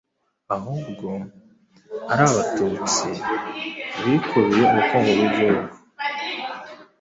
ahubwo ari abatutsi bikubiye ubukungu bw’igihugu.